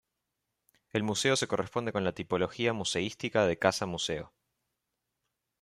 El Museo se corresponde con la tipología museística de casa-museo.